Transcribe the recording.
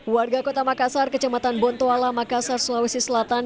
warga kota makassar kecamatan bontoala makassar sulawesi selatan